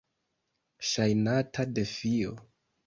Ŝajnata defio.